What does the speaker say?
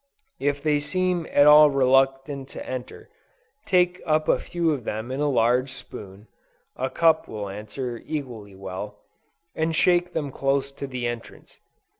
If they seem at all reluctant to enter, take up a few of them in a large spoon, (a cup will answer equally well,) and shake them close to the entrance.